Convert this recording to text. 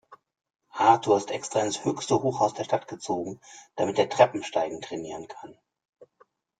Arthur ist extra ins höchste Hochhaus der Stadt gezogen, damit er Treppensteigen trainieren kann.